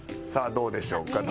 どうでしょうか？